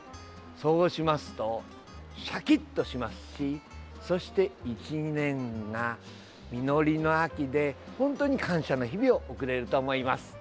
そうしますとシャキッとしますしそして１年が実りの秋で、本当に感謝の日々を送れると思います。